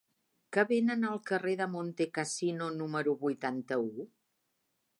Què venen al carrer de Montecassino número vuitanta-u?